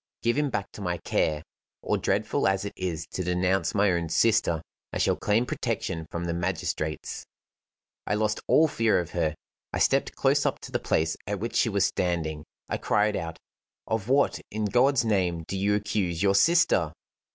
Give him back to my care; or, dreadful as it is to denounce my own sister, I shall claim protection from the magistrates." I lost all fear of her: I stepped close up to the place at which she was standing; I cried out: "Of what, in God's name, do you accuse your sister?"